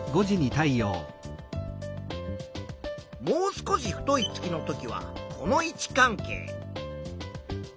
もう少し太い月の時はこの位置関係。